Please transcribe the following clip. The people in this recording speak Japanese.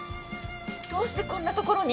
どうしてこんなところに？